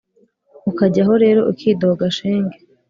ukajyaho rero ukidoga shenge